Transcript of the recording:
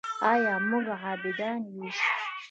آیا موږ عابدان یو؟